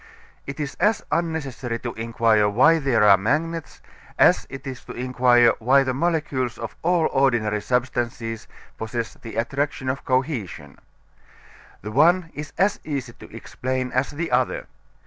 It is as unnecessary to inquire why they are magnets as it is to inquire why the molecules of all ordinary substances possess the attraction of cohesion. The one is as easy to explain as the other.